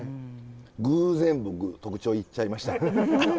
偶然僕特徴言っちゃいました。